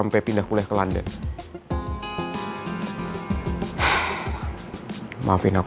maaf untuk apa ma